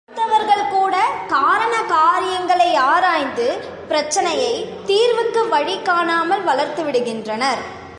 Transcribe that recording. படித்தவர்கள் கூட காரண காரியங்களை ஆராய்ந்து பிரச்சனையை, தீர்வுக்கு வழி காணாமல் வளர்த்துவிடுகிறனர்.